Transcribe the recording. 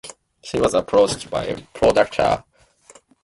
She was approached by producer Vivek after she had promoted her work on Facebook.